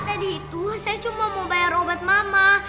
tadi itu saya cuma mau bayar obat mama